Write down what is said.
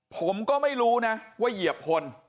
ผมก็ไม่รู้นะว่าเหยียบคน